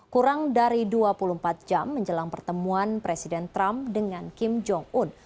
kurang dari dua puluh empat jam menjelang pertemuan presiden trump dengan kim jong un